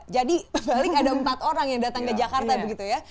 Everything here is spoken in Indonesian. jadi balik ada empat orang yang datang ke jakarta begitu ya